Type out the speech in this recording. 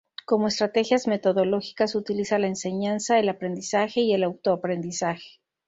Como estrategias metodológicas utiliza la enseñanza, el aprendizaje y el autoaprendizaje.